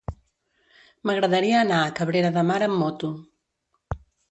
M'agradaria anar a Cabrera de Mar amb moto.